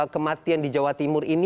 kematian di jawa timur ini